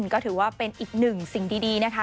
ก็ถือว่าเป็นอีกหนึ่งสิ่งดีนะคะ